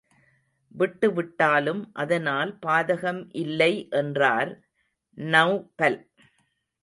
விட்டு விட்டாலும் அதனால் பாதகம் இல்லை என்றார் நெளபல்.